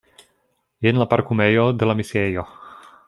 Jen la parkumejo de la misiejo.